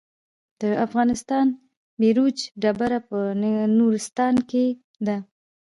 د افغانستان بیروج ډبره په نورستان کې ده